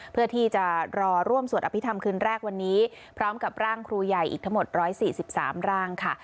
เพื่อที่จะรอร่วมสวดอภิษฐรรมคืนแรกวันนี้พร้อมกับร่างครูใหญ่อีกทั้งหมด๑๔๓ร่างค่ะ